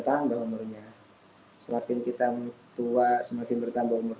setempat berlual selakin maklukan kita setempat berulangerne destroy